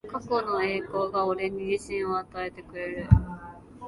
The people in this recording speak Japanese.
過去の栄光が俺に自信を与えてくれる